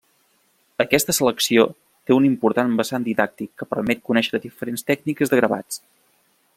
Aquesta selecció té un important vessant didàctic que permet conèixer diferents tècniques de gravats.